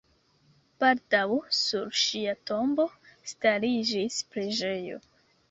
Baldaŭ sur ŝia tombo stariĝis preĝejo.